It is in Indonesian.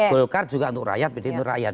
golkar juga untuk rakyat pdi untuk rakyat